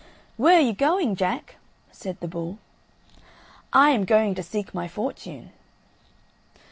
"Where are you going, Jack?" said the bull. "I am going to seek my fortune."